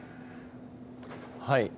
はい。